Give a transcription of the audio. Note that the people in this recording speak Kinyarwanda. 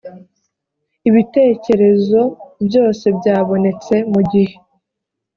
ibitekerezo byose byabonetse mu gihe